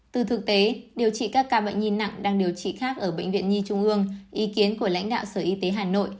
từ thực tế điều trị các ca bệnh nhi nặng đang điều trị khác ở bệnh viện nhi trung ương ý kiến của lãnh đạo sở y tế hà nội